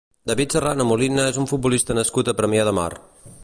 David Serrano Molina és un futbolista nascut a Premià de Mar.